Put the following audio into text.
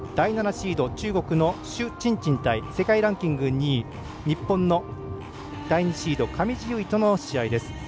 シード中国の朱珍珍対世界ランキング２位日本の第２シード上地結衣との試合。